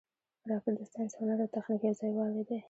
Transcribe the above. راکټ د ساینس، هنر او تخنیک یو ځای والې دی